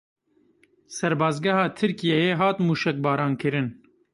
Serbazgeha Tirkiyeyê hat mûşekbarankirin.